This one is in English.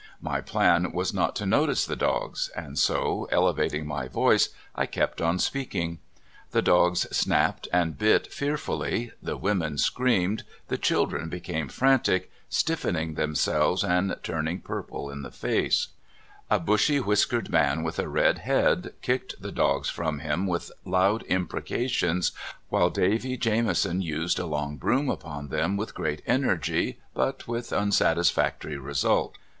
My plan was not to notice the dogs, and so, elevating my voice, I kept on speaking. The dogs snapped and bit fearfully, the women screamed, the chil dren became frantic, stiffening themselves and turning purple in the face; a bushy whiskered man with a red head kicked the dogs from him with loud imprecations, while Davy Jamison used a long broom upon them with great energy but with unsatisfactory result.